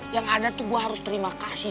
yang ada tuh gue harus terima kasih